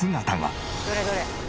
どれどれ？